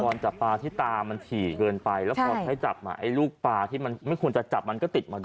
จับปลาที่ตามันถี่เกินไปแล้วพอใช้จับมาไอ้ลูกปลาที่มันไม่ควรจะจับมันก็ติดมาได้